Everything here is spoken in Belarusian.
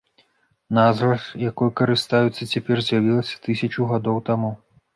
Назва ж, якой карыстаюцца цяпер, з'явілася тысячу гадоў таму.